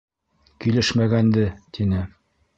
Килешмәгәнде, — тине.